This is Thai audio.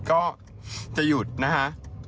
ก็จะหยุดนะคะ